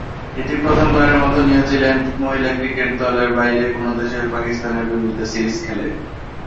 এটি প্রথমবারের মতো নিউজিল্যান্ড মহিলা ক্রিকেট দল বাহিরের কোন দেশে পাকিস্তানের বিপরীতে সিরিজ খেলে।